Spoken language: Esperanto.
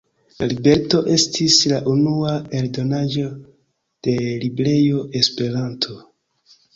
La libreto estis la unua eldonaĵo de librejo “Esperanto”.